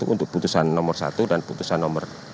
untuk putusan nomor satu dan putusan nomor